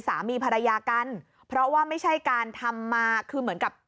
สามีภรรยากันเพราะว่าไม่ใช่การทำมาคือเหมือนกับ